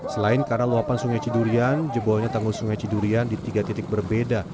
selain karena luapan sungai cidurian jebolnya tanggul sungai cidurian di tiga titik berbeda